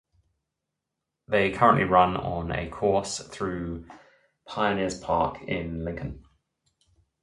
They currently run on a course through Pioneer's Park in Lincoln.